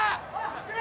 走れ！